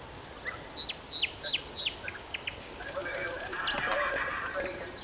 El escenario que más se ha estudiado es el de una guerra nuclear.